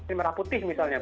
ini merah putih misalnya